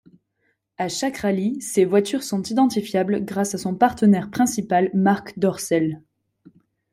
À chaque rallye, ses voitures sont identifiables grâce à son partenaire principal Marc Dorcel.